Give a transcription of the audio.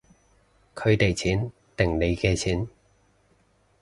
佢哋錢定你嘅錢